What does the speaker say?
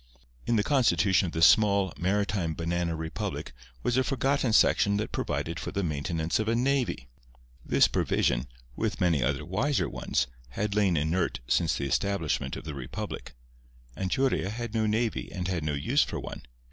In the constitution of this small, maritime banana republic was a forgotten section that provided for the maintenance of a navy. This provision—with many other wiser ones—had lain inert since the establishment of the republic. Anchuria had no navy and had no use for one.